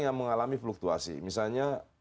yang mengalami fluktuasi misalnya